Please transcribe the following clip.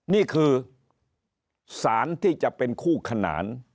นี่คือสารที่จะเป็นคู่ขนาน